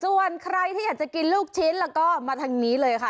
ส่วนใครที่อยากจะกินลูกชิ้นแล้วก็มาทางนี้เลยค่ะ